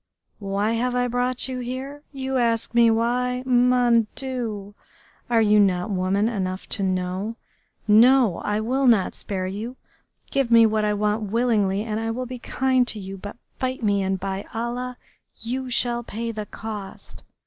Why have I brought you here? You ask me why? Mon Dieu! Are you not woman enough to know? No! I will not spare you. Give me what I want willingly and I will be kind to you, but fight me, and by Allah! you shall pay the cost!...